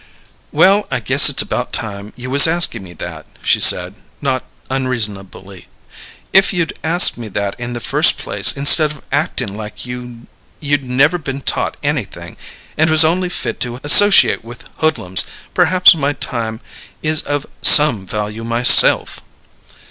"Well, I guess it's about time you was askin' me that," she said, not unreasonably. "If you'd asked me that in the first place, instead of actin' like you'd never been taught anything, and was only fit to associate with hoodlums, perhaps my time is of some value, myself!"